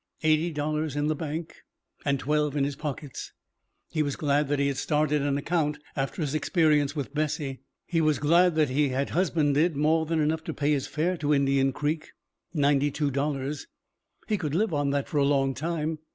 Eighty dollars in the bank and twelve in his pockets. He was glad he had started an account after his experience with Bessie. He was glad that he had husbanded more than enough to pay his fare to Indian Creek. Ninety two dollars. He could live on that for a long time.